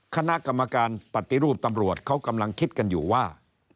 คณะกรรมการปฏิรูปตำรวจเขากำลังคิดกันอยู่ว่า